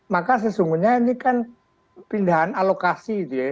maka sesungguhnya ini kan pindahan alokasi gitu ya